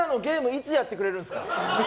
いつやってくれるんですか。